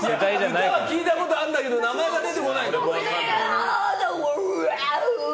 聴いたことあるんだけど名前が出てこない。